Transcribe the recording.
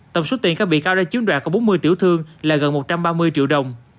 tổng số tiền các bị cáo đã chiếm đoạt của bốn mươi tiểu thương là gần một trăm ba mươi triệu đồng